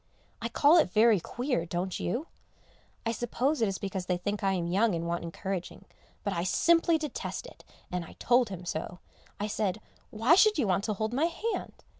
I call it very queer, don't you? I suppose it is because they think I am young and want encouraging, but I simply detest it, and I told him so. I said, "Why should you want to hold my hand?"